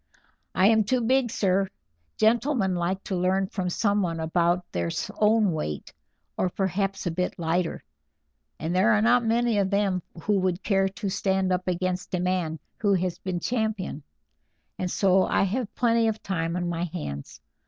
"I am too big, sir; gentlemen like to learn from someone about their own weight, or perhaps a bit lighter, and there are not many of them who would care to stand up against a man who has been champion, and so I have plenty of time on my hands.